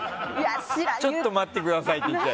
ちょっと待ってくださいって言って。